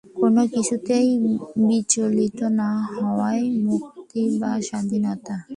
কোন কিছুতেই বিচলিত না হওয়াই মুক্তি বা স্বাধীনতা।